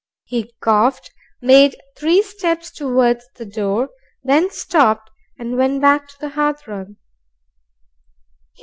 He coughed, made three steps towards the door, then stopped and went back to the hearthrug.